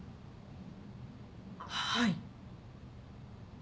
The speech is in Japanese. はい。